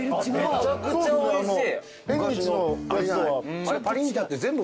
めちゃめちゃおいしい。